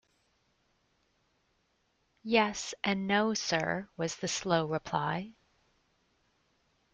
Yes, and no, sir, was the slow reply.